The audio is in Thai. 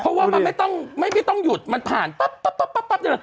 เพราะว่ามันไม่ต้องไม่ต้องหยุดมันผ่านปั๊บปั๊บปั๊บปั๊บปั๊บ